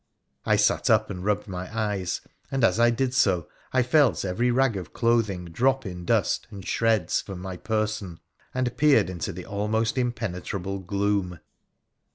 I sat up and rubbed my eyes — and as I did so I felt every rag of clothing drop in dust and sheds from my person — and peered into the almost impenetrable gloom.